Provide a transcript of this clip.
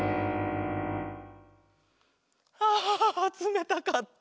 ああつめたかった。